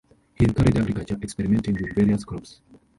He encouraged agriculture, experimenting with various crops.